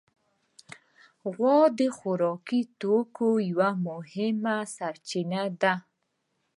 غوا د خوراکي توکو یوه مهمه سرچینه ده.